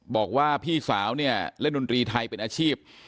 บอกว่าพี่สาวเนี่ยเล่นดนตรีไทยเป็นอาชีพ